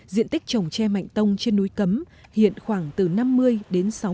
diện tích trồng tre mạnh tông trên núi cấm hiện khoảng từ năm mươi đến sáu mươi